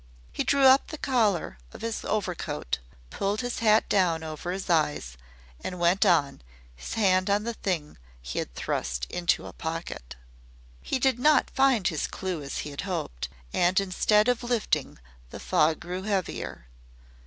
He drew up the collar of his overcoat, pulled his hat down over his eyes and went on his hand on the thing he had thrust into a pocket. He did not find his clew as he had hoped, and instead of lifting the fog grew heavier.